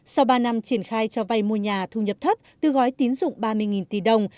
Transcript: sau ba năm triển khai cho vay mua nhà thu nhập thấp từ gói tín dụng ba mươi tỷ đồng